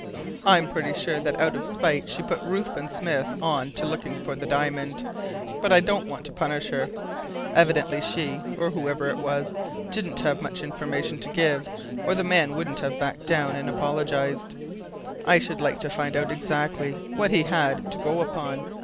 I'm pretty sure that out of spite she put Ruthven Smith on to looking for the diamond, but I don't want to punish her. Evidently she or whoever it was didn't have much information to give, or the man wouldn't have backed down and apologized. I should like to find out exactly what he had to go upon.